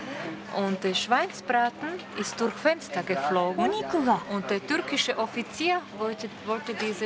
お肉が！？